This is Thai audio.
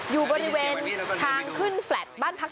อยู่บริเวณทางขึ้นแฟลตบ้านพักตำรวจเลยอะค่ะ